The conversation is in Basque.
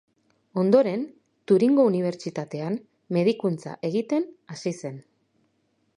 Ondoren, Turingo unibertsitatean medikuntza egiten hasi zen.